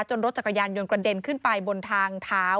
รถจักรยานยนต์กระเด็นขึ้นไปบนทางเท้า